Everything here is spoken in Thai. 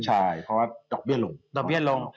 ใช่เพราะว่าดอกเบี้ยลง